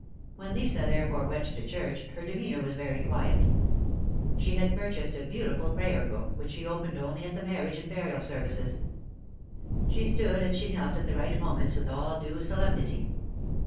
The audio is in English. When Lisa, therefore, went to church, her demeanor was very quiet. She had purchased a beautiful prayer 14 222 THE MARKETS OF PARIS. book, which she opened only at the marriage and burial services. She stood and she knelt at the right moments with all due solemnity.